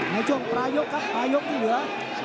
ในช่วงปลายลบครับปลายลบปลายให้เหลือ